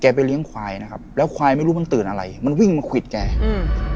ไปเลี้ยงควายนะครับแล้วควายไม่รู้มันตื่นอะไรมันวิ่งมาควิดแกอืม